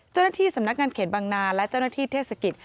เจ้าหน้าที่สำนักงานเขตบางนาและเจ้าหน้าที่เทศกิจ